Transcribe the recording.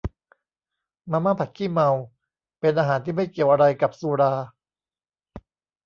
มาม่าผัดขี้เมา เป็นอาหารที่ไม่เกี่ยวอะไรกับสุรา